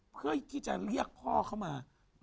เพื่อที่จะเรียกพ่อเข้ามา